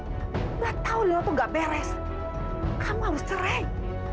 enggak tahu rino itu enggak beres kamu harus cerai